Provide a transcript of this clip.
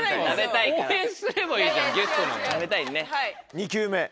２球目。